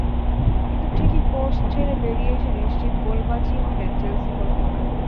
কিন্তু ঠিকই পোস্ট ছেড়ে বেরিয়ে এসে নিশ্চিত গোল বাঁচিয়ে দিলেন চেলসি গোলকিপার।